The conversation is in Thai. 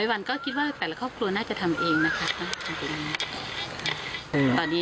ร้อยวันก็คิดว่าแปดละครอบครัวน่าจะทำเองนะครับเออนี่